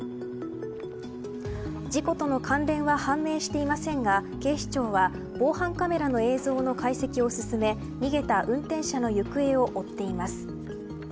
事故との関連は判明していませんが警視庁は防犯カメラの映像の解析を進め逃げた運転者の行方を追っています。